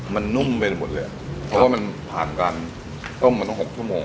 มันนุ่มไปหมดเลยอ่ะเพราะว่ามันผ่านการต้มมาตั้ง๖ชั่วโมง